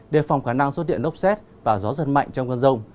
đề phòng khả năng xuất hiện lốc xét và gió giật mạnh trong cơn rông